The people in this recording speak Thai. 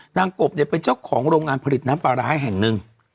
กบเนี่ยเป็นเจ้าของโรงงานผลิตน้ำปลาร้าแห่งหนึ่ง